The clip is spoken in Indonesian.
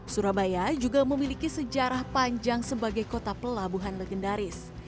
surabaya juga memiliki sejarah panjang sebagai kota pelabuhan legendaris